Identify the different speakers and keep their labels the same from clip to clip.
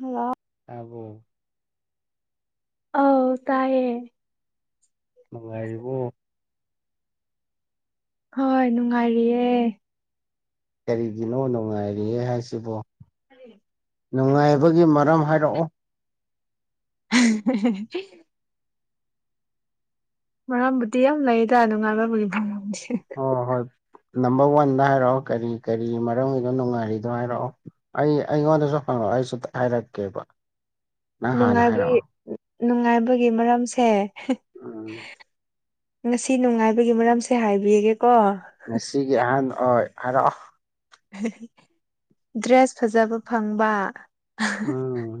Speaker 1: hello
Speaker 2: ꯇꯥꯕꯣ
Speaker 1: ꯑꯥꯎ ꯇꯥꯏꯌꯦ
Speaker 2: ꯉꯥꯏꯔꯤꯕꯣ
Speaker 1: ꯍꯣꯏ ꯅꯨꯡꯉꯥꯏꯔꯤꯌꯦ
Speaker 2: ꯀꯔꯤꯒꯤꯅꯣ ꯅꯨꯡꯉꯥꯏꯔꯤꯦ ꯍꯥꯏꯁꯤꯕꯣ
Speaker 1: ꯐ
Speaker 2: ꯅꯨꯡꯉꯥꯏꯕꯒꯤ ꯃꯔꯝ ꯍꯥꯏꯔꯛꯑꯣ
Speaker 1: [unintelligible] ꯃꯔꯝꯕꯨꯗꯤ ꯌꯥꯝ ꯂꯩꯌꯦꯗ ꯅꯨꯡꯉꯥꯏꯕꯒꯤ ꯐꯁꯦ
Speaker 2: ꯑꯣ ꯍꯣꯏ ꯅꯝꯕꯔ ꯋꯥꯟꯗ ꯍꯥꯏꯔꯛꯑꯣ ꯀꯔꯤ ꯀꯔꯤ ꯃꯔꯝꯒꯤꯗꯣ ꯅꯨꯡꯉꯥꯏꯔꯤꯗꯣ ꯍꯥꯏꯔꯛꯑꯣ ꯑꯩ ꯑꯩꯉꯣꯟꯗꯁꯨ ꯍꯪꯉꯛꯑꯣ ꯑꯩꯁꯨ ꯍꯥꯏꯔꯛꯀꯦꯕ ꯅꯪ ꯍꯥꯟꯅ
Speaker 1: ꯅꯨꯡꯉꯥꯏꯕꯒꯤ
Speaker 2: ꯍꯥꯏꯔꯛꯑꯣ
Speaker 1: ꯅꯨꯡꯉꯥꯏꯕꯒꯤ ꯃꯔꯝꯁꯦ
Speaker 2: ꯎꯝ
Speaker 1: ꯉꯁꯤ ꯅꯨꯡꯉꯥꯏꯕꯒꯤ ꯃꯔꯝꯁꯦ ꯍꯥꯏꯕꯤꯒꯦ
Speaker 2: ꯉꯁꯤꯒꯤ ꯑꯍꯥꯟ ꯑꯣꯏ ꯍꯥꯏꯔꯥꯎꯑꯣ
Speaker 1: ꯗ꯭ꯔꯦꯁ ꯐꯖꯕ ꯐꯪꯕ
Speaker 2: ꯑꯥ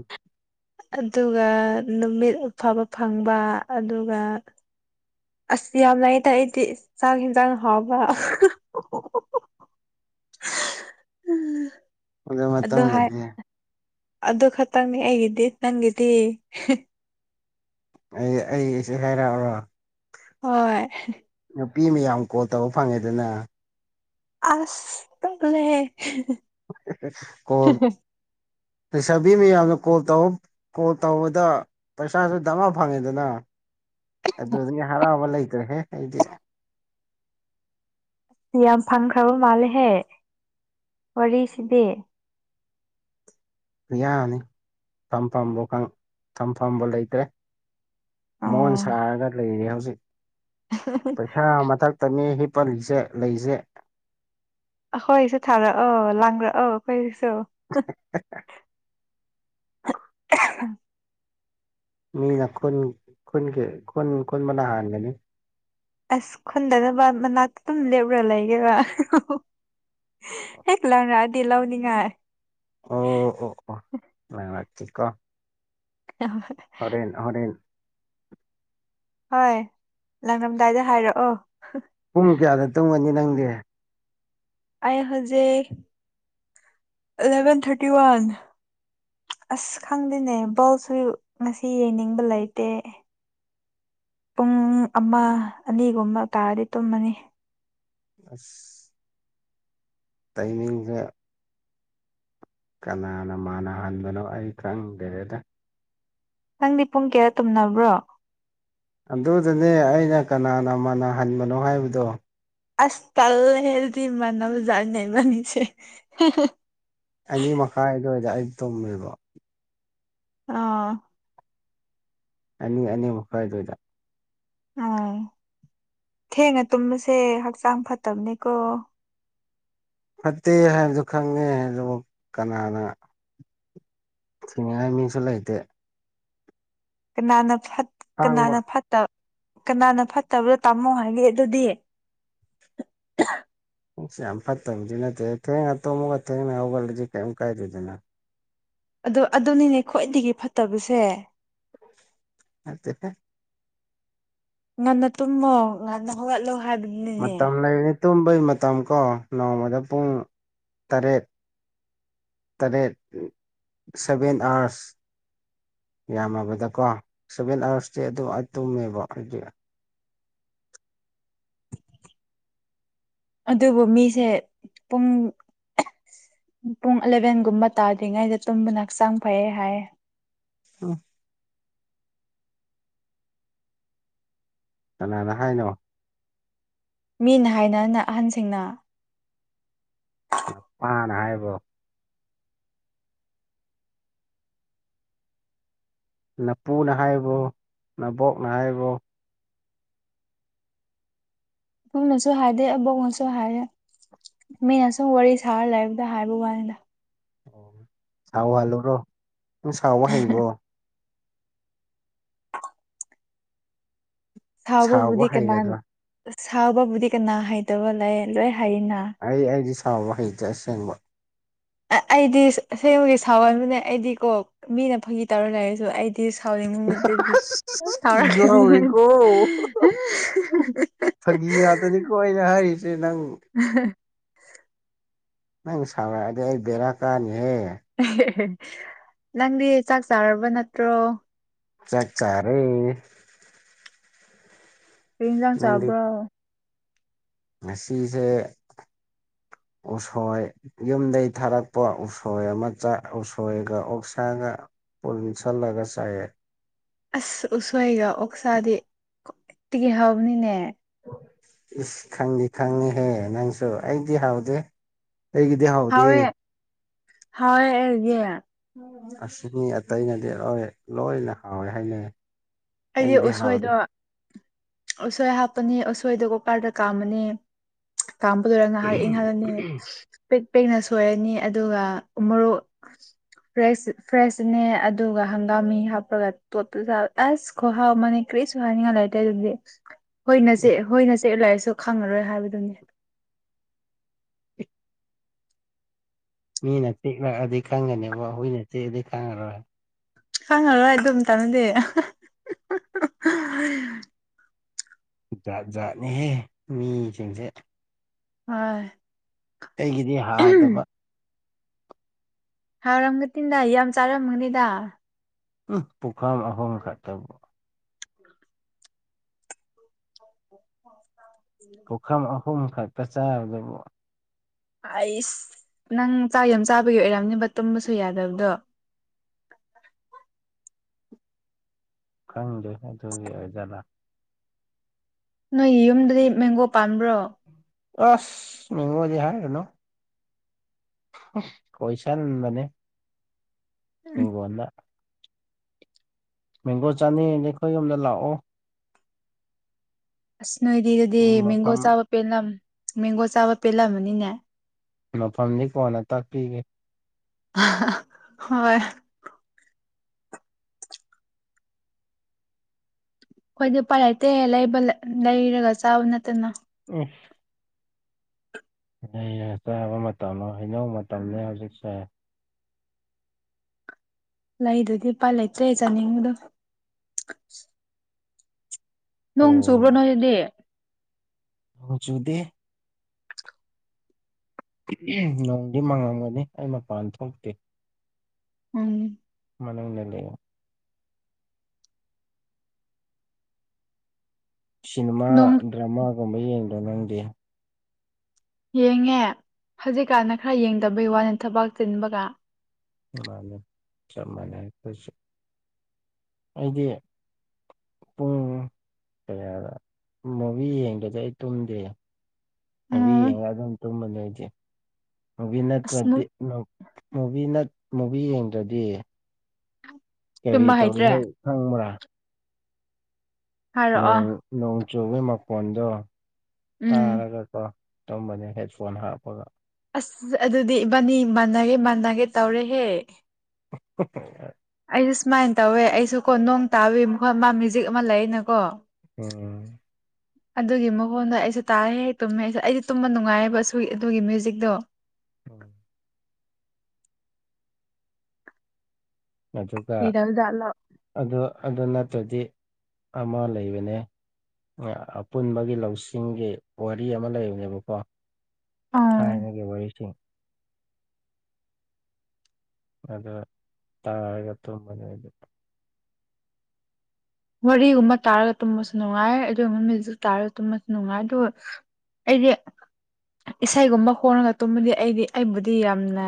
Speaker 1: ꯑꯗꯨꯒ ꯅꯨꯃꯤꯠ ꯐꯕ ꯐꯪꯕ ꯑꯗꯨꯒ ꯑꯁ ꯌꯥꯝꯅꯇ ꯑꯩꯗꯤ ꯆꯥꯛ ꯌꯦꯟꯁꯥꯡ ꯍꯥꯎꯕ
Speaker 2: ꯑꯣ ꯃꯠꯇ
Speaker 1: ꯑꯗꯨ ꯍꯥꯏ
Speaker 2: ꯂꯩꯗꯤ
Speaker 1: ꯑꯗꯨ ꯈꯛꯇꯪꯅꯤ ꯑꯩꯒꯤꯗꯤ ꯅꯪꯒꯤꯗꯤ
Speaker 2: ꯑꯩ ꯑꯩꯁꯦ ꯍꯥꯏꯔꯛꯑꯔꯣ
Speaker 1: ꯍꯣꯏ
Speaker 2: ꯅꯨꯄꯤ ꯃꯌꯥꯝ ꯀꯣꯜ ꯇꯧꯕ ꯐꯪꯉꯦꯗꯅ
Speaker 1: ꯑꯁ ꯇꯂꯦ
Speaker 2: ꯀ‌ꯣꯜ ꯂꯩꯁꯥꯕꯤ ꯃꯌꯥꯝꯅ ꯀꯣꯜ ꯀꯣꯜ ꯇꯧꯕꯗ ꯄꯩꯁꯥꯁꯨ ꯗꯃꯥ ꯐꯪꯉꯦꯗꯅ ꯑꯗꯨ ꯍꯔꯥꯎꯕ ꯂꯩꯇ꯭ꯔꯦꯍꯦ ꯑꯩꯗꯤ
Speaker 1: ꯑꯁ ꯌꯥꯝ ꯐꯪꯈ꯭ꯔꯕ ꯃꯥꯜꯂꯦꯍꯦ ꯋꯥꯔꯤꯁꯤꯗꯤ
Speaker 2: ꯌꯥꯅꯤ ꯇꯝꯐꯝꯕꯨ ꯊꯝꯐꯝꯕꯨ ꯂꯩꯇ꯭ꯔꯦ ꯃꯣꯟ
Speaker 1: ꯑꯣ
Speaker 2: ꯁꯥꯔꯒ ꯂꯩꯔꯦ ꯍꯧꯖꯤꯛ ꯄꯩꯁꯥ ꯃꯊꯛꯇꯅꯤ ꯍꯤꯞꯄꯜꯂꯤꯁꯦ ꯂꯩꯖꯦ
Speaker 1: ꯑꯩꯈꯣꯏꯁꯨ ꯊꯥꯔꯛꯑꯣ ꯂꯥꯡꯛꯑꯣ ꯀꯩꯁꯨ [unintelligible]
Speaker 2: ꯃꯤꯅ ꯈꯨꯟ ꯈꯨꯟꯒꯤ ꯈꯨꯟ ꯀꯨꯟ ꯃꯅꯥ ꯍꯥꯟꯒꯅꯤ
Speaker 1: ꯑꯁ ꯈꯨꯟꯗꯅꯕ ꯃꯅꯥꯛꯇ ꯑꯗꯨꯝ ꯂꯦꯞꯔꯒ ꯂꯩꯒꯦꯕ ꯍ ꯂ ꯔꯗꯤ ꯂꯥꯎꯅꯤꯡꯉꯥꯏ
Speaker 2: ꯑꯣ ꯑꯣ ꯑꯣ ꯆꯀꯣ
Speaker 1: ꯑ
Speaker 2: ꯍꯣꯔꯦꯟ ꯍꯣꯔꯦꯟ
Speaker 1: ꯍꯣꯏ ꯂꯥꯡꯂꯝꯝꯗꯥꯏꯗ ꯍꯥꯏꯔꯛꯑꯣ
Speaker 2: ꯄꯨꯡ ꯀꯌꯥꯗ ꯇꯨꯡꯒꯅꯤ ꯅꯪꯗꯤ
Speaker 1: I has a eleven thirty one ꯑꯁ ꯈꯪꯗꯦꯅꯦ ꯕꯜꯁꯨ ꯉꯁꯤ ꯌꯦꯡꯅꯤꯡꯕ ꯂꯩꯇꯦ ꯄꯨꯡ ꯑꯃ ꯑꯅꯤꯒꯨꯝꯕ ꯇꯥꯔꯗꯤ ꯇꯨꯝꯃꯅꯤ
Speaker 2: ꯑꯁ ꯇꯥꯏꯃꯤꯡꯁ ꯀꯅꯥꯅ ꯃꯥꯟꯅꯍꯟꯕꯅꯣ ꯑꯩ ꯈꯪꯒꯦꯗ
Speaker 1: ꯅꯪꯗꯤ ꯄꯨꯡ ꯀꯌꯥ ꯇꯨꯝꯅꯕ꯭ꯔꯣ
Speaker 2: ꯑꯗꯨꯗꯅꯦ ꯑꯩꯅ ꯀꯅꯥꯅ ꯃꯥꯅꯍꯟꯕꯅꯣ ꯍꯥꯏꯕꯗꯣ
Speaker 1: ꯑꯁ ꯇꯜ ꯍꯗꯤ ꯏꯅ ꯑꯃꯖꯔꯅꯦ ꯃꯅꯤꯁꯦ
Speaker 2: ꯑꯅꯤ ꯃꯈꯥꯏꯗꯗ ꯑꯩ ꯇꯨꯝꯃꯤꯕ
Speaker 1: ꯑꯥ
Speaker 2: ꯑꯅꯤ ꯑꯅꯤꯃꯛ ꯐꯥꯏꯗꯣꯏꯗ
Speaker 1: ꯎꯥ ꯊꯦꯡꯉ ꯇꯨꯝꯃꯁꯦ ꯍꯛꯆꯥꯡ ꯐꯠꯇꯕꯅꯤꯀꯣ
Speaker 2: ꯐꯠꯇꯦ ꯍꯥꯏꯕꯗꯨ ꯈꯪꯉꯦ ꯑꯗꯨꯕꯨ ꯀꯅꯥꯅ ꯊꯤꯡꯅꯤꯉꯥꯏ ꯃꯤꯡꯁꯨ ꯂꯩꯇꯦ
Speaker 1: ꯀꯅꯥꯅ ꯐ
Speaker 2: ꯍꯥꯡꯕ
Speaker 1: ꯀꯅꯥꯅ ꯐꯠꯇꯕ ꯀꯅꯥꯅ ꯐꯠꯇꯕꯗꯣ ꯇꯥꯝꯃꯣ ꯍꯥꯏꯒꯦ ꯑꯗꯨꯗꯤ
Speaker 2: ꯎ ꯌꯥꯝ ꯐꯠꯇꯕꯗꯤ ꯅꯠꯇꯦ ꯊꯦꯡꯅ ꯇꯣꯝꯃꯒ ꯊꯦꯡꯅ ꯍꯧꯒꯠꯂꯁꯤ ꯀꯩꯝ ꯀꯥꯏꯗꯦꯗꯅ
Speaker 1: ꯑ ꯑꯗꯨꯅꯤꯅꯦ ꯈ꯭ꯋꯥꯏꯗꯒꯤ ꯐꯠꯇꯕꯁꯦ
Speaker 2: ꯑ
Speaker 1: ꯉꯟꯅ ꯇꯨꯝꯃꯣ ꯉꯟꯅ ꯍꯧꯒꯠꯂꯣ ꯍꯥꯏꯕꯗꯨꯅꯤꯅꯦ
Speaker 2: ꯑ ꯇꯨꯝꯕꯩ ꯃꯇꯝ ꯀꯣ ꯅꯣꯡꯃꯗ ꯄꯨꯡ ꯇꯔꯦꯠ ꯇꯔꯦꯠ ꯁꯚꯦꯟ ꯑꯋꯥꯔꯁ ꯌꯥꯝꯃꯕꯗꯀꯣ ꯁꯚꯦꯟ ꯑꯥꯋꯥꯔꯁꯇꯤ ꯑꯗꯨꯝ ꯇꯨꯝꯃꯦꯕ ꯍꯧ
Speaker 1: ꯑꯗꯨꯕꯨ ꯃꯤꯁꯦ ꯄꯨꯡ ꯄꯨꯡ ꯑꯦꯂꯚꯦꯟꯒꯨꯝꯕ ꯇꯥꯗ꯭ꯔꯤꯉꯩꯗ ꯇꯨꯝꯕꯅ ꯍꯛꯆꯥꯡ ꯐꯩꯌꯦ ꯍꯥꯏ
Speaker 2: ꯑ ꯀꯅꯥꯅ ꯍꯥꯏꯅꯣ
Speaker 1: ꯃꯤꯅ ꯍꯥꯏꯅꯅ ꯑꯍꯟꯁꯤꯡꯅ
Speaker 2: ꯂꯄꯥꯅ ꯍꯥꯏꯕꯣ ꯂꯄꯨꯅ ꯍꯥꯏꯕꯨ ꯅꯕꯣꯛꯅ ꯍꯥꯏꯕꯨ
Speaker 1: ꯄꯨꯡꯅꯁꯨ ꯍꯥꯏꯗꯦ ꯑꯕꯣꯛꯅꯁꯨ ꯍꯥꯏꯌꯦ ꯃꯤ ꯑꯁꯨꯝ ꯋꯥꯔꯤ ꯁꯥꯔ ꯂꯩꯕꯗ ꯍꯥꯏꯕ ꯋꯥꯗ
Speaker 2: ꯑꯣ ꯁꯥꯎ ꯍꯥꯜꯂꯨꯔꯣ ꯅꯨꯝ ꯁꯥꯎꯕ ꯍꯩꯕ꯭ꯔꯣ ꯁꯥꯎꯕ
Speaker 1: ꯁꯥꯕꯕꯨꯗꯤ ꯀꯅꯥꯥꯟ
Speaker 2: ꯍꯩꯒꯗ꯭ꯔꯥ
Speaker 1: ꯁꯥꯎꯕꯕꯨꯗꯤ ꯀꯅꯥ ꯍꯩꯇꯕ ꯂꯩ ꯂꯣꯏ ꯍꯔꯤꯅ
Speaker 2: ꯍꯥꯎ ꯋꯥꯍꯩꯗꯦ ꯑꯁꯦꯡꯕ
Speaker 1: ꯑꯩꯗꯤ ꯁꯦꯡꯕꯒꯤ ꯁꯥꯋꯟꯕꯅꯦ ꯑꯩꯗꯤ ꯀꯣ ꯃꯤꯅ ꯐꯥꯒꯤ ꯇꯧꯔ ꯂꯩꯔꯁꯨ ꯑꯩꯗꯤ ꯗꯤ ꯁꯥꯎꯔꯤꯃꯨ ꯃꯠꯇ
Speaker 2: ꯑꯁ
Speaker 1: ꯁꯥꯎꯔꯦ
Speaker 2: ꯀꯤꯕ ꯍꯧꯔꯦꯀꯣ ꯐꯥꯒꯤ ꯉꯥꯛꯇꯗꯤ ꯀꯣꯅ ꯍꯥꯏꯔꯤꯁꯦ ꯅꯪ ꯅꯪ ꯁꯥꯎꯔꯛꯑꯗꯤ ꯑꯩ ꯕꯦꯔꯥ ꯀꯥꯅꯤꯍꯦ
Speaker 1: ꯅꯪꯗꯤ ꯆꯥꯛ ꯆꯥꯔꯕ ꯅꯠꯇ꯭ꯔꯣ
Speaker 2: ꯆꯥꯛ ꯆꯥꯔꯦ
Speaker 1: ꯀꯩ ꯏꯟꯁꯥꯡ ꯆꯥꯕ꯭ꯔꯥ
Speaker 2: ꯃꯦꯁꯤꯁꯦ ꯎꯁꯣꯏ ꯌꯨꯝꯗꯒꯤꯩ ꯊꯥꯔꯛꯄ ꯎꯁꯣꯏ ꯑꯃ ꯎꯁꯣꯏꯒ ꯑꯣꯛꯁꯥꯏ ꯄꯨꯟꯁꯜꯂꯒ ꯆꯥꯏꯑ
Speaker 1: ꯑꯁ ꯎꯁꯣꯏꯒ ꯑꯣꯛꯁꯥꯗꯤ ꯈ꯭ꯋꯥꯛꯇꯤꯒꯤ ꯍꯕꯅꯤꯅꯦ
Speaker 2: ꯏꯁ ꯈꯪꯅꯤ ꯈꯪꯉꯍꯦ ꯅꯪꯁꯨ ꯑꯩꯗꯤ ꯍꯥꯎꯗꯦ ꯍꯩꯒꯗꯦ ꯍꯥꯎꯗꯦ
Speaker 1: ꯍꯒ
Speaker 2: ꯑꯁꯤꯅꯤ ꯑꯇꯩꯅꯗꯤ ꯂꯣꯏ ꯂꯣꯏꯅ ꯍꯥꯎꯋꯦ ꯍꯥꯏꯅꯩ
Speaker 1: ꯑꯩꯗꯤ
Speaker 2: ꯑꯩꯒꯤꯗꯤ ꯍꯥꯎꯗꯦ
Speaker 1: ꯎꯁꯣꯏꯗꯣ ꯎꯁꯣꯏ ꯍꯥꯞꯄꯅꯤ ꯎꯁꯣꯏꯗ ꯀꯣꯀꯥꯔꯗ ꯀꯥꯝꯃꯅꯤ ꯇꯥꯝꯕꯗꯨꯔꯒ ꯉꯥꯏꯍꯥꯛ ꯏꯪꯍꯜꯂꯅꯤ ꯄꯤꯛ ꯄꯦꯛꯅ ꯁꯣꯏꯔꯅꯤ ꯑꯗꯨꯒ ꯃꯣꯔꯣꯛ ꯐ꯭ꯔꯦꯁ ꯐ꯭ꯔꯦꯁꯅꯦ ꯑꯗꯨꯒ ꯍꯪꯒꯥꯝꯃꯤ ꯍꯥꯞꯄꯒ ꯇꯣꯠꯇ ꯑꯁ ꯈꯣꯍꯥꯎ ꯃꯅꯦ ꯀꯔꯤꯁꯨ ꯍꯥꯏꯅꯤꯡꯉꯥꯏ ꯂꯩꯇꯦ ꯑꯗꯨꯗꯤ ꯍꯣꯏꯅꯁꯦ ꯍ ꯇꯦꯛ ꯂꯩꯥꯏꯔꯤꯁꯨ ꯈꯪꯉꯔꯣꯏ ꯍꯥꯏꯕꯗꯨꯅꯤ
Speaker 2: ꯃꯤꯅ ꯆꯤꯛꯂꯛꯑꯗꯤ ꯈꯪꯒꯅꯦꯕ ꯑꯩꯈꯣꯏꯏꯅ ꯆꯤꯛꯑꯗꯤ ꯈꯪꯉꯔꯣꯏ
Speaker 1: ꯈꯪꯉꯔꯣꯏ ꯑꯩ ꯑꯗꯨꯝ ꯇꯥꯟꯅꯗꯤꯦ
Speaker 2: ꯖꯥꯠ ꯖꯥꯠꯅꯦꯍꯦ ꯃꯤꯁꯤꯡꯁꯦ
Speaker 1: ꯍꯣꯏ
Speaker 2: ꯀꯩꯒꯤꯗꯤ ꯍꯥꯎꯗꯕ
Speaker 1: ꯍꯥꯎꯔꯝꯒꯅꯤꯗ ꯌꯥꯝ ꯆꯥꯔꯝꯒꯅꯤꯗ
Speaker 2: ꯄꯣꯈꯥꯝ ꯑꯍꯣꯡꯈꯥ ꯇꯥꯕꯣ
Speaker 1: [unintelligible]
Speaker 2: ꯄꯨꯈꯝ ꯑꯍꯨꯝ ꯈꯛꯇ ꯆꯥꯗꯕ
Speaker 1: ꯑꯩꯁ ꯅꯪ ꯆꯥꯛ ꯌꯥꯝ ꯆꯥꯕꯒꯤ ꯑꯣꯏꯔꯝꯅꯦꯕ ꯇꯨꯝꯕꯁꯨ ꯌꯥꯗꯕꯗꯣ
Speaker 2: [unintelligible] ꯈꯪꯗꯦ ꯑꯗꯨꯒꯤ ꯑꯣꯏꯖꯅ
Speaker 1: ꯅꯣꯏ ꯌꯨꯝꯗꯗꯤ ꯃꯦꯡꯒꯣ ꯄꯥꯟꯕꯥ꯭ꯔꯣ
Speaker 2: ꯑꯁ ꯃꯦꯨꯗꯤꯍꯔ ꯑꯗꯨꯅꯣ ꯀꯣꯏꯁ ꯃꯅꯤ ꯏ ꯋꯥꯗ ꯃꯦꯡꯒꯣ ꯆꯥꯅꯤꯅꯦ ꯑꯩꯈꯣꯏ ꯌꯨꯝꯗ ꯂꯥꯛꯑꯣ
Speaker 1: ꯑꯁ ꯅꯣꯏꯗꯤꯗꯗꯤ ꯃꯦꯡꯒꯣ
Speaker 2: ꯃꯐꯝ
Speaker 1: ꯆꯥꯕ ꯄꯦꯜꯂꯝ ꯃꯦꯡꯒꯣ ꯆꯥꯕ ꯄꯦꯜꯂꯝꯃꯅꯤꯅꯦ
Speaker 2: ꯃꯐꯝꯗꯤ ꯀꯣꯟꯅ ꯇꯥꯛꯄꯤꯒꯦ
Speaker 1: ꯍꯣꯏ ꯑꯩꯈꯣꯏꯗꯤ ꯄꯥꯏ ꯂꯩꯇꯦ ꯂꯩꯕ ꯂꯩꯔꯒ ꯆꯥꯕ ꯅꯠꯇꯅ
Speaker 2: [unintelligible] ꯑꯩꯅ ꯆꯥꯕ ꯃꯇꯝꯗ ꯍꯩꯅꯧ ꯃꯇꯝꯅꯤꯅꯦ ꯍꯧꯖꯤꯛ ꯁꯥꯏ
Speaker 1: ꯂꯩꯗꯨꯗꯤ ꯎꯄꯥꯏ ꯂꯩꯇ꯭ꯔꯦ ꯆꯥꯅꯤꯡꯕꯗꯣ ꯅꯣꯡ
Speaker 2: ꯑꯣ
Speaker 1: ꯆꯨꯕ꯭ꯔꯣ ꯅꯣꯏꯗꯤ
Speaker 2: ꯆꯨꯗꯦ ꯅꯣꯡꯗꯤ ꯃꯥꯡꯉꯝꯒꯅꯤ ꯑꯩ ꯃꯄꯥꯟ ꯊꯣꯛꯇꯦ
Speaker 1: ꯎꯝ
Speaker 2: [unintelligible] ꯁꯤꯅꯦꯃꯥ
Speaker 1: ꯅꯣꯡ
Speaker 2: ꯗ꯭ꯔꯃꯥꯒꯨꯝꯕ ꯌꯦꯡꯗꯣ ꯅꯪꯗꯤ
Speaker 1: ꯌꯦꯡꯉꯦ ꯍꯧꯖꯤꯛꯀꯥꯟꯅ ꯈꯔ ꯌꯦꯡꯗꯕꯩ ꯋꯥꯅꯦ ꯊꯕꯥꯛ ꯆꯤꯟꯕꯒ
Speaker 2: ꯃꯥꯅ ꯆꯞ ꯃꯥꯟꯅꯩ ꯑꯩꯈꯣꯏꯁꯨ ꯑꯩꯗꯤ ꯄꯨꯡ ꯀꯌꯥꯗ ꯃꯨꯚꯤ ꯌꯦꯡꯗꯗꯤꯦ ꯑꯩ ꯇꯨꯝꯗꯦ ꯃꯨꯕꯤ
Speaker 1: ꯎꯝ
Speaker 2: ꯌꯦꯉꯥ ꯑꯗꯨꯝ ꯇꯨꯝꯕꯅꯦ ꯑꯩꯗꯤ
Speaker 1: ꯑꯁ ꯃꯨꯛ
Speaker 2: ꯨꯃꯨꯚꯤ ꯅꯗꯤ ꯃꯨꯚꯤ ꯌꯦꯡꯗ꯭ꯔꯗꯤ ꯀꯔꯤ
Speaker 1: ꯇꯨꯝꯕ
Speaker 2: ꯇꯧꯔꯤ
Speaker 1: ꯍꯩꯇ꯭ꯔꯦ
Speaker 2: ꯍꯥꯏ ꯈꯪꯕ꯭ꯔꯥ
Speaker 1: ꯍꯥꯏꯔꯛꯑꯣ
Speaker 2: ꯅꯣꯡꯆꯨꯒꯤ ꯃꯣꯟꯗꯣ
Speaker 1: ꯎꯝ
Speaker 2: ꯇꯥꯔꯒꯀꯣ ꯇꯨꯝꯕꯅꯤ ꯍꯦꯠ ꯐꯣꯐꯣꯅ ꯍꯥꯄꯒ
Speaker 1: ꯑꯁ ꯑꯗꯨꯗꯤ ꯏꯕꯥꯅꯤ ꯃꯥꯟꯅꯒꯦ ꯃꯥꯟꯅꯒꯦ ꯇꯧꯔꯦꯍꯦ
Speaker 2: ꯎ
Speaker 1: ꯑꯩꯁꯨ ꯁꯨꯃꯥꯏꯅ ꯇꯧꯋꯦ ꯑꯩꯁꯨ ꯀꯣ ꯅꯣꯡ ꯇꯥꯕꯤ ꯃꯈꯣꯏ ꯃꯥ ꯃ꯭ꯌꯨꯖꯤꯛ ꯑꯃ ꯂꯩꯅꯀꯣ
Speaker 2: ꯎꯝ
Speaker 1: ꯑꯗꯨꯒꯤ ꯃꯈꯣꯟꯗ ꯑꯩꯁꯨ ꯇꯥꯔꯦ ꯍꯦꯛ ꯇꯨꯝꯃꯦ ꯑꯩꯁꯨ ꯑꯩꯗꯤ ꯇꯨꯝꯕ ꯅꯨꯡꯉꯥꯏꯌꯦꯕ ꯑꯗꯨꯒꯤ ꯃ꯭ꯌꯨꯖꯤꯛꯇꯣ
Speaker 2: ꯍꯝ ꯑꯗꯨꯒ
Speaker 1: ꯂꯤꯔꯕꯖꯥꯠꯂꯣ
Speaker 2: ꯑꯗꯨ ꯑꯗꯨ ꯅꯠꯇ꯭ꯔꯗꯤ ꯑꯃ ꯂꯩꯕꯅꯦ ꯑꯄꯨꯟꯕꯒꯤ ꯂꯧꯁꯤꯡꯒꯤ ꯋꯥꯔꯤ ꯑꯃ ꯂꯩꯕꯅꯦꯕꯀꯣ ꯊꯥꯏꯅ
Speaker 1: ꯑꯥ
Speaker 2: ꯀꯦ ꯋꯥꯔꯤꯁꯤ ꯑꯗ ꯇꯥꯒ ꯇꯨꯝꯅꯦ
Speaker 1: ꯋꯥꯔꯤꯒꯨꯝꯕ ꯇꯥꯔꯒ ꯇꯨꯝꯕꯁꯨ ꯅꯨꯡꯉꯥꯏ ꯑꯗꯨꯒꯨꯝꯕ ꯃ꯭ꯌꯨꯖꯤꯛ ꯇꯥꯔꯒ ꯇꯨꯝꯕꯁꯨ ꯅꯨꯡꯉꯥꯏ ꯑꯗꯨꯒ ꯑꯩꯗꯤ ꯏꯁꯩꯒꯨꯝꯕ ꯍꯣꯡꯅꯒ ꯇꯨꯝꯃꯗꯤ ꯑꯩꯗꯤ ꯑꯩꯕꯨꯗꯤ ꯌꯥꯝꯅ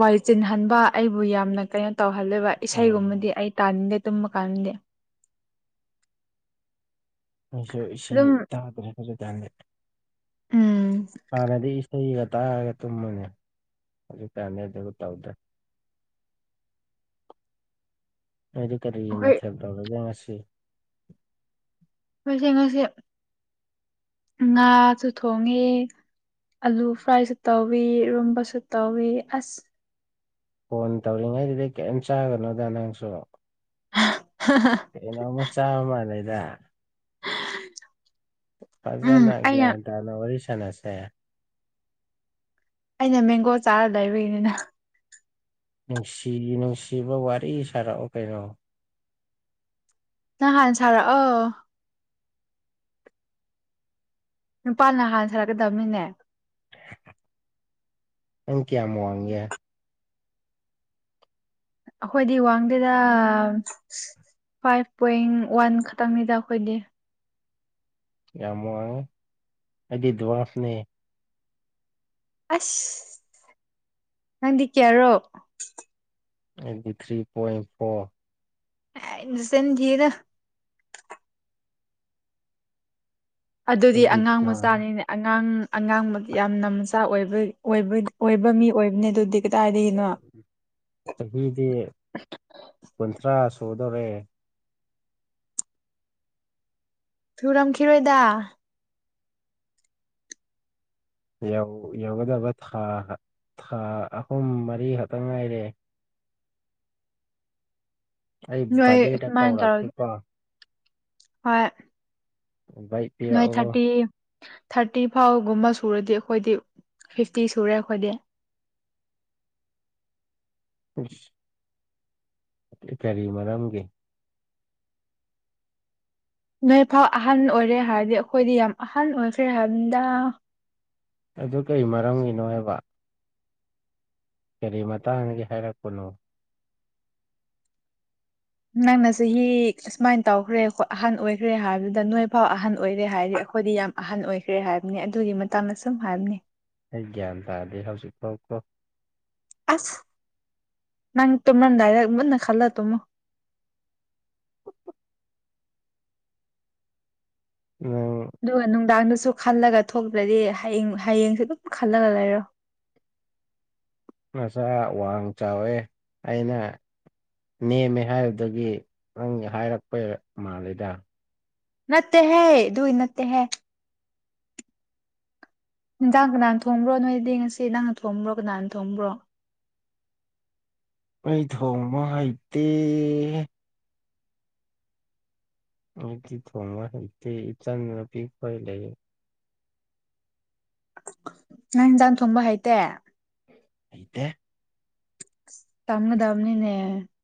Speaker 1: ꯋꯥꯏ ꯆꯤꯟꯍꯟꯕ ꯑꯩꯕꯨ ꯌꯥꯝꯅ ꯀꯩꯅ ꯇꯧꯍꯜꯂꯦꯕ
Speaker 2: ꯑꯥ
Speaker 1: ꯏꯁꯩꯒꯨꯝꯕꯗꯤ ꯑꯩ ꯇꯥꯅꯤꯡꯗꯦ ꯇꯨꯝꯕ ꯀꯥꯟꯗꯦ
Speaker 2: ꯑꯩꯁꯨ ꯏꯁꯩ
Speaker 1: ꯑꯗꯨꯝ
Speaker 2: ꯇꯥꯗ꯭ꯔꯦ ꯐꯖ ꯇꯅꯦ
Speaker 1: ꯎꯝ
Speaker 2: ꯍꯥꯟꯅꯗꯤ ꯏꯁꯩꯒ ꯇꯥꯔꯒ ꯇꯨꯝꯃꯅꯦ ꯍꯧꯖꯤꯛꯇꯅꯤ ꯑꯗꯨ ꯇꯧꯗ꯭ꯔꯦ ꯑꯗꯨ ꯀꯔꯤ
Speaker 1: ꯍꯣꯏ
Speaker 2: ꯃꯊꯦꯜ ꯇꯧꯔꯥꯕ ꯉꯁꯤ
Speaker 1: ꯑꯩꯁ ꯉꯁꯤ ꯉꯥꯁꯨ ꯊꯣꯡꯉꯤ ꯑꯂꯨ ꯐ꯭ꯔꯥꯏꯁꯨ ꯇꯧꯋꯤ ꯔꯨꯝꯕꯁꯨ ꯇꯧꯏ ꯑꯁ
Speaker 2: ꯐꯣꯟ ꯇꯧꯔꯤꯉꯩꯗꯨꯗꯤ ꯀꯔꯤꯝ ꯆꯥꯒꯅꯣꯗ ꯅꯪꯁꯨ ꯑꯅꯃ ꯆꯥꯕ ꯃ ꯂꯩꯗ
Speaker 1: ꯎꯝ
Speaker 2: ꯐꯖꯅ
Speaker 1: ꯑꯩꯅ
Speaker 2: ꯒ꯭ꯌꯥꯟ ꯇꯥꯅ ꯋꯥꯔꯤ ꯁꯥꯟꯅꯁꯦ
Speaker 1: ꯑꯩꯅ ꯃꯦꯡꯒꯣ ꯆꯥꯔ ꯂꯩꯕꯅꯤꯅ
Speaker 2: ꯅꯨꯡꯁꯤ ꯅꯨꯡꯁꯤꯕ ꯋꯥꯔꯤ ꯁꯥꯔꯛꯑꯣ ꯀꯩꯅꯣ
Speaker 1: ꯅꯪ ꯍꯥꯟꯅ ꯁꯥꯔꯛꯑꯣ ꯅꯨꯄꯥꯅꯍꯥꯟ ꯁꯥꯔꯛꯀꯗꯕꯅꯤꯅꯦ
Speaker 2: ꯅꯪ ꯀꯌꯥꯃꯣ ꯋꯥꯡꯦ
Speaker 1: ꯑꯩꯈꯣꯏꯗꯤ ꯋꯥꯡꯗꯨꯗ ꯐꯥꯏꯚ ꯄꯣꯏꯟ ꯋꯥꯟ ꯈꯛꯇꯪꯅꯤꯗ ꯑꯩꯈꯣꯏꯗꯤ
Speaker 2: ꯌꯥꯝ ꯋꯥꯉꯦ ꯑꯩꯗꯤ ꯋꯥꯁꯅꯦ
Speaker 1: ꯑꯁ ꯅꯪꯗꯤ ꯀꯌꯥꯔꯣ
Speaker 2: ꯑꯩꯠꯇꯤ ꯊ꯭ꯔꯤ ꯄꯣꯏꯟ ꯐꯣꯔ
Speaker 1: ꯁꯦꯟ ꯌꯦꯗ ꯑꯗꯨꯗꯤ
Speaker 2: ꯑꯩꯗꯤ
Speaker 1: ꯑꯉꯥꯡ ꯃꯆꯥꯅꯤꯅꯦ ꯑꯉꯥꯡ ꯑꯉꯥꯡ ꯌꯥꯝꯅ ꯃꯆꯥ ꯑꯣꯏꯕ ꯑꯣꯏ ꯑꯣꯏꯕ ꯃꯤ ꯑꯣꯏꯕꯅꯤ ꯑꯗꯨꯗꯤ ꯀꯗꯥꯏꯗꯒꯤꯅꯣ
Speaker 2: ꯆꯍꯤꯗꯤ ꯀꯨꯟꯊ꯭ꯔꯥ ꯁꯨꯗꯧꯣꯔꯦ
Speaker 1: ꯊꯨꯔꯝꯈꯤꯔꯣꯏꯗ
Speaker 2: ꯌꯧ ꯌꯧꯒꯗꯕ ꯍꯥ ꯍꯥ ꯊꯥ ꯑꯍꯨꯝ ꯃꯔꯤ ꯈꯛꯇ ꯉꯥꯏꯔꯦ ꯑꯩ
Speaker 1: ꯍꯣꯏ
Speaker 2: ꯕꯥꯔꯗꯦꯗ
Speaker 1: ꯁꯨꯃꯥꯏꯅ ꯇꯧꯔꯒ
Speaker 2: ꯀꯧꯔꯛꯀꯦꯀꯣ
Speaker 1: ꯍꯣꯏ
Speaker 2: ꯏ ꯄꯦꯔ
Speaker 1: ꯅꯣꯏ
Speaker 2: ꯑꯣꯏꯔꯣ
Speaker 1: ꯊꯥꯔꯇꯤ ꯊꯥꯔꯇꯤ ꯐꯥꯎꯒꯨꯝꯕ ꯁꯨꯔꯗꯤ ꯑꯩꯈꯣꯏꯗꯤ ꯐꯤꯐꯇꯤ ꯁꯨꯔꯦ ꯑꯩꯈꯣꯏꯗꯤ
Speaker 2: [unintelligible] ꯀꯔꯤ ꯃꯔꯝꯒꯤꯦ
Speaker 1: ꯅꯣꯏ ꯐꯥꯎ ꯑꯍꯟ ꯑꯣꯏꯔꯦ ꯍꯥꯏꯔꯗꯤ ꯑꯩꯈꯣꯏꯗꯤ ꯌꯥꯝ ꯑꯍꯟ ꯑꯣꯏꯈ꯭ꯔꯦ ꯍꯥꯏꯕꯗ
Speaker 2: ꯑꯗꯨ ꯀꯔꯤ ꯃꯔꯝꯒꯤꯅꯣ ꯍꯥꯏꯕ ꯀꯔꯤ ꯃꯇꯥꯡꯒꯤ ꯍꯥꯏꯔꯛꯄꯅꯣ
Speaker 1: ꯅꯪꯅ ꯆꯍꯤ ꯑꯨꯃꯥꯏꯅ ꯇꯧꯈ꯭ꯔꯦ ꯑꯍꯟ ꯑꯣꯏꯈ꯭ꯔꯦ ꯍꯥꯏꯕꯗꯨꯗ ꯅꯣꯏ ꯐꯥꯎ ꯑꯍꯟ ꯑꯣꯏꯔꯦ ꯍꯥꯏꯔꯤ ꯑꯩꯈꯣꯏꯗꯤ ꯌꯥꯝ ꯑꯍꯟ ꯑꯣꯏꯈ꯭ꯔꯦ ꯍꯥꯏꯕꯅꯦ ꯑꯗꯨꯒꯤ ꯃꯇꯥꯡꯗ ꯁꯨꯝ ꯍꯥꯏꯕꯅꯤ
Speaker 2: ꯑꯩ ꯒ꯭ꯌꯥꯟ ꯇꯥꯗꯦ ꯍꯧꯖꯤꯛꯐꯥꯎꯀꯣ
Speaker 1: ꯑꯁ ꯅꯪ ꯇꯣꯅ ꯗꯗꯥꯏꯔꯅ ꯈꯜꯂ ꯇꯃ
Speaker 2: ꯅꯪ
Speaker 1: ꯑꯗꯨꯒ ꯅꯨꯡꯗꯥꯡꯗ ꯁꯨ ꯈꯜꯂꯒ ꯊꯣꯛꯇ꯭ꯔꯗꯤ ꯍꯌꯦꯡ ꯍꯌꯦꯡꯁ ꯑꯗꯨꯝ ꯈꯜꯂꯒ ꯂꯩꯔꯣ
Speaker 2: ꯃꯁꯥ ꯋꯥꯡ ꯆꯥꯎꯋꯦ ꯑꯩꯅ ꯅꯦꯝꯃꯦ ꯍꯥꯏꯕꯗꯒꯤ ꯅꯪꯒꯤ ꯍꯥꯏꯔꯛꯄ ꯃꯥꯂꯦꯗ
Speaker 1: ꯅꯠꯇ ꯍꯦ ꯏ ꯅꯠꯇ ꯍ
Speaker 2: [unintelligible]
Speaker 1: ꯗꯥꯡ ꯀꯅꯥꯅ ꯊꯣꯡꯕ꯭ꯔꯣ ꯅꯣꯏꯗꯤ ꯉꯁꯤ ꯅ ꯅꯪꯅ ꯊꯣꯡꯕ꯭ꯔꯣ ꯀꯅꯥꯅ ꯊꯣꯡꯕ꯭ꯔꯣ
Speaker 2: ꯃꯩ ꯊꯣꯡꯃ ꯍꯥꯏꯩꯗꯦ ꯑꯩꯗꯤ ꯊꯣꯡ ꯍꯥꯏ ꯏ ꯆꯥꯟꯅ ꯄꯤ ꯐ ꯂꯩ
Speaker 1: ꯅꯪ ꯌꯦꯟꯖꯥꯡ ꯊꯣꯡꯕ ꯍꯩꯇꯦ
Speaker 2: ꯑꯇ
Speaker 1: ꯇꯝꯅꯗꯝꯅꯤꯅꯦ